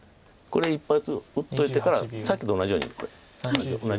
これ一発を打っといてからさっきと同じようにこれ同じように。